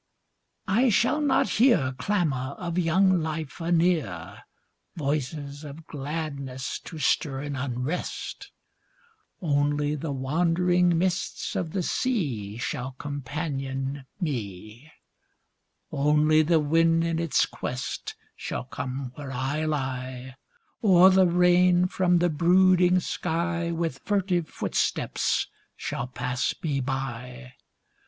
I shall not hear Clamor of young life anear, Voices of gladness to stir an unrest; Only the wandering mists of the sea Shall companion me ; Only the wind in its quest Shall come where I lie. Or the rain from the brooding sky With furtive footstep shall pass me by.